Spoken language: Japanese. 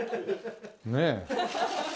ねえ。